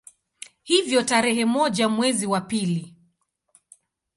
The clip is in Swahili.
Hivyo tarehe moja mwezi wa pili